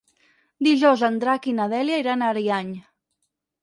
Dijous en Drac i na Dèlia iran a Ariany.